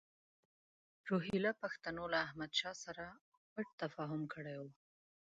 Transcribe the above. روهیله پښتنو له احمدشاه سره پټ تفاهم کړی وو.